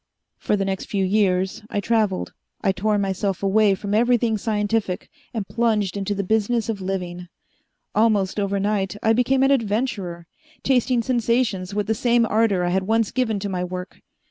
For the next few years I traveled. I tore myself away from everything scientific and plunged into the business of living. Almost overnight I became an adventurer, tasting sensations with the same ardor I had once given to my work.